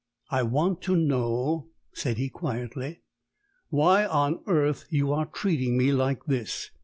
"I want to know," said he quietly, "why on earth you are treating me like this?"